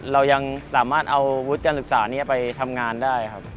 เรายังสามารถเอาวุฒิการศึกษานี้ไปทำงานได้ครับ